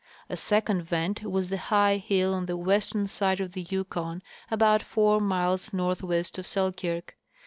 A second vent was the high hill on the western side of the Yukon, about four miles northwest of Selkirk.